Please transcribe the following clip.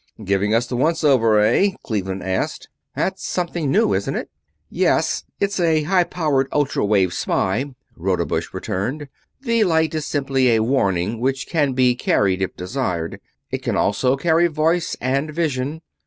"Giving us the once over, eh?" Cleveland asked. "That's something new, isn't it?" "Yes, it's a high powered ultra wave spy," Rodebush returned. "The light is simply a warning, which can be carried if desired. It can also carry voice and vision...."